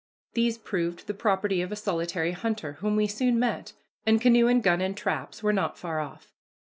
These proved the property of a solitary hunter, whom we soon met, and canoe and gun and traps were not far off.